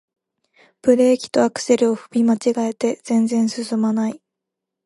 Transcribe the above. ブレーキとアクセルを踏み間違えて全然すすまない